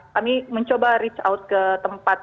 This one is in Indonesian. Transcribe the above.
kami mencoba reach out ke tempat